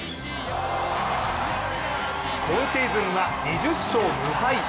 今シーズンは２０勝無敗。